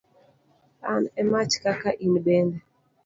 An e mach kaka in bende.